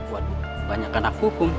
waduh banyak anak hukum